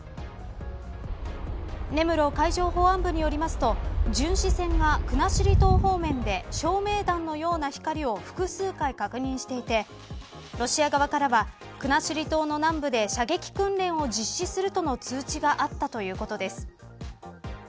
根室海上保安部によりますと巡視船が国後島方面で照明弾のような光を複数回確認していてロシア側からは国後島の南部で射撃訓練を実施するとの通知があったということです。